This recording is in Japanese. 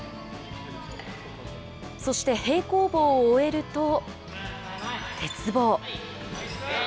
そして平行棒を終えると、鉄棒。